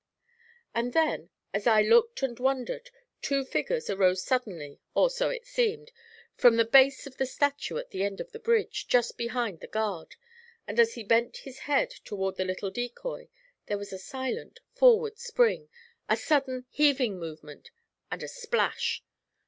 And then, as I looked and wondered, two figures arose suddenly, or so it seemed, from the base of the statue at the end of the bridge, just behind the guard, and as he bent his head toward the little decoy there was a silent, forward spring, a sudden heaving movement, and a splash.